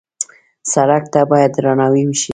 سړک ته باید درناوی وشي.